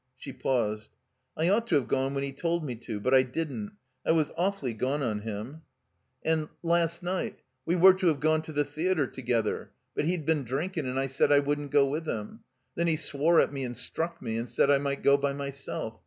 She i)aused. "I ought to have gone when he told me to. But I didn't. I was awfully gone on him. 387 THE COMBINED MAZE "And — ^last night — ^we were to have gone to the theater together; but he'd been drinkin' and I said I wotildn't go with him. Then he swore at me and struck me, and said I might go by myself.